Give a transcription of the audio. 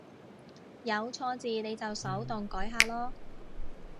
有錯字你就手動改下囉